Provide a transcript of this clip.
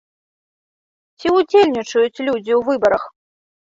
Ці ўдзельнічаюць людзі ў выбарах?